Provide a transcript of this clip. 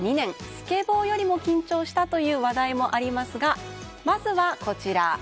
スケボーよりも緊張したという話題もありますがまずは、こちら。